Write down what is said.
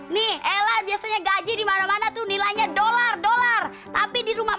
nih ella biasanya gaji dimana mana tuh nilainya dolar dolar tapi di rumah